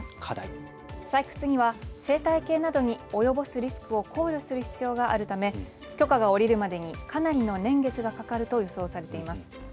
採掘には生態系などに及ぼすリスクを考慮する必要があるため許可が下りるまでにかなりの年月がかかると予想されています。